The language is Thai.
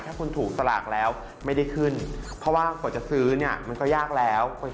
ถ้าคุณถูกสลากแล้วไม่ได้ขึ้นเพราะว่ากว่าจะซื้อเนี่ยมันก็ยากแล้ว